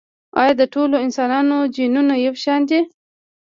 ایا د ټولو انسانانو جینونه یو شان دي؟